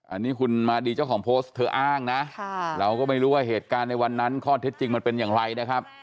อันนี้คุณมาดีเจ้าของโพสต์เธออ้างนะเราก็ไม่รู้ว่าเหตุการณ์ในวันนั้นข้อเท็จจริงมันเป็นอย่างไรนะครับ